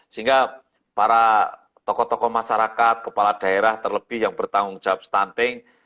sehingga para tokoh tokoh masyarakat kepala daerah terlebih yang bertanggung jawab stunting